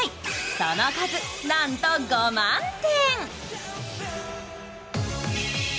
その数なんと５万点。